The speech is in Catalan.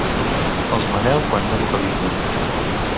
Els Manel quan no vocalitzen.